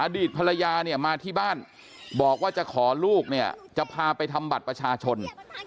อดีตภรรยาเนี่ยมาที่บ้านบอกว่าจะขอลูกเนี่ยจะพาไปทำบัตรประชาชน